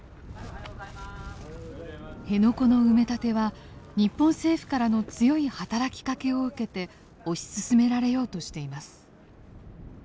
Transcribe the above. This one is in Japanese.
辺野古の埋め立ては日本政府からの強い働きかけを受けて推し進められようとしています。